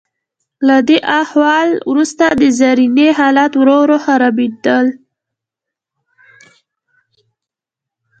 له دې احوال وروسته د زرینې حالات ورو ورو خرابیدل.